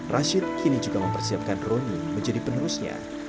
rashid kini juga mempersiapkan roni menjadi penerusnya